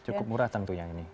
cukup murah tentunya ini